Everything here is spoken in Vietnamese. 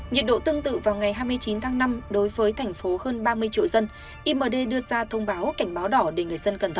nhiệt độ tương tự vào ngày hai mươi chín tháng năm